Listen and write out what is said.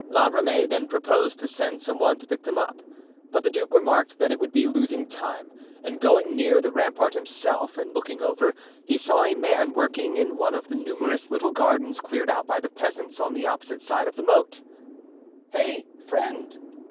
La Ramee then proposed to send some one to pick them up, but the duke remarked that it would be losing time; and going near the rampart himself and looking over, he saw a man working in one of the numerous little gardens cleared out by the peasants on the opposite side of the moat. "Hey, friend!"